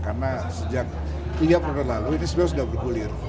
karena sejak tiga periode lalu ini sudah bergulir